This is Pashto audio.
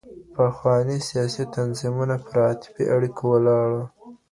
پخواني سياسي تنظيمونه پر عاطفي اړيکو ولاړ وو.